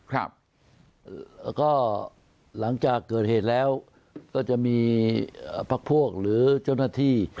แล้วก็หลังจากเกิดเหตุแล้วก็จะมีพักพวกหรือเจ้าหน้าที่